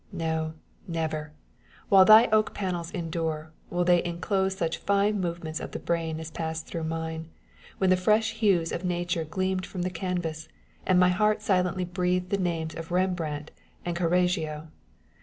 No, never, while thy oak panels endure, will they inclose such fine movements of the brain as passed through mine, when the fresh hues of nature gleamed from the canvas, and my heart silently breathed the names of Eembrandt and Correggio